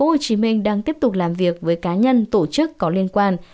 huyện công an tp hcm đang tiếp tục làm việc với cá nhân tổ chức có liên quan